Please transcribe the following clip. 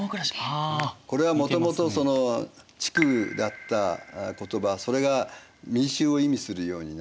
これはもともと「地区」だった言葉それが「民衆」を意味するようになる。